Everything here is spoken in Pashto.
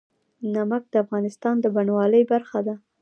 نمک د افغانستان د بڼوالۍ برخه ده.